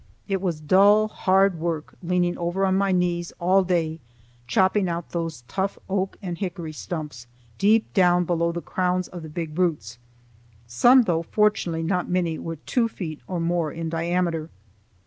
It was dull, hard work leaning over on my knees all day, chopping out those tough oak and hickory stumps, deep down below the crowns of the big roots. Some, though fortunately not many, were two feet or more in diameter.